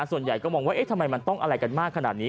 ส่วนใหญ่ก็มองว่าเอ๊ะทำไมมันต้องอะไรกันมากขนาดนี้